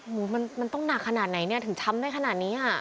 หนูมันต้องหนักขนาดไหนเนี่ยถึงช้ำได้ขนาดนี้อ่ะ